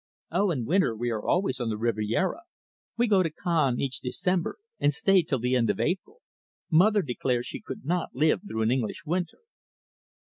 "Oh, in winter we are always on the Riviera. We go to Cannes each December and stay till the end of April. Mother declares she could not live through an English winter."